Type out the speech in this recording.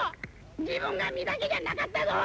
自分が身だけじゃなかったぞお。